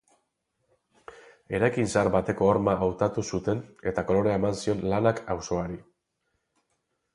Eraikin zahar bateko horma hautatu zuten eta kolorea eman zion lanak auzoari.